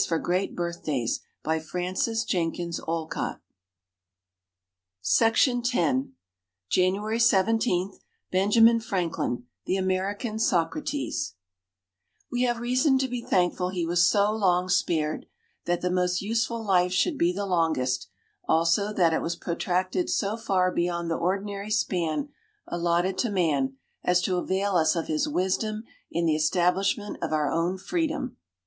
It was Alexander Hamilton who laid the foundations of the financial system of our Republic. JANUARY 17 BENJAMIN FRANKLIN THE AMERICAN SOCRATES _We have reason to be thankful he was so long spared, that the most useful life should be the longest, also that it was protracted so far beyond the ordinary span allotted to man, as to avail us of his wisdom in the establishment of our own Freedom.